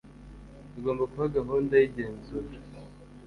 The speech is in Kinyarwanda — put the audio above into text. igomba kuba gahunda y igenzura